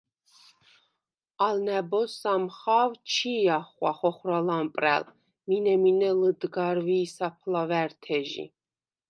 ალ ნა̈ბოზს ამხა̄ვ ჩი̄ ახღვა ხოხვრა ლამპრა̈ლ, მინე-მინე ლჷდგარვი̄ საფლავა̈რთეჟი.